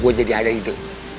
gue jadi ada gitu